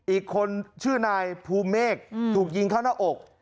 อีกคนชื่อนายภูเมฆถูกยิงเข้าหน้าอก